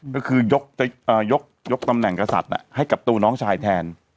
ก็คือยกตำแหน่งกษัตริย์ให้กับตัวน้องชายแทน